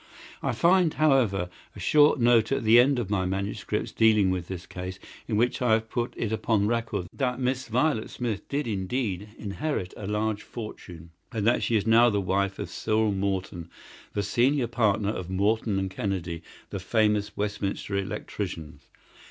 I find, however, a short note at the end of my manuscripts dealing with this case, in which I have put it upon record that Miss Violet Smith did indeed inherit a large fortune, and that she is now the wife of Cyril Morton, the senior partner of Morton & Kennedy, the famous Westminster electricians.